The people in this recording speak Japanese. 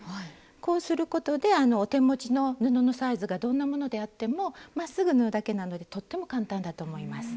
こうすることでお手持ちの布のサイズがどんなものであってもまっすぐ縫うだけなのでとっても簡単だと思います。